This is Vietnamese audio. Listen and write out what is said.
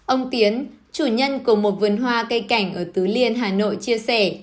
ông tiến chủ nhân của một vườn hoa cây cảnh ở tứ liên hà nội chia sẻ